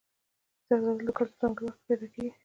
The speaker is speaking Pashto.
زردالو د کال په ځانګړي وخت کې پیدا کېږي.